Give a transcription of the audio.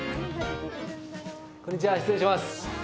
こんにちは失礼します。